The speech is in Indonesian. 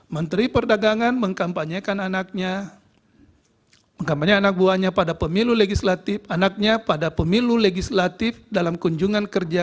menteri perdagangan mengkampanyekan anaknya pada pemilu legislatif dalam kunjungan kerja